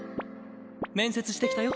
面接してきたよ。